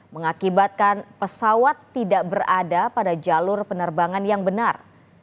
mengakibatkan pesawat tidak berada pada jalur penerbangan yang benar